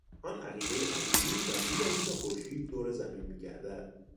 آن عقیدهی قدیمی مبنی براینکه خورشید دور زمین میگردد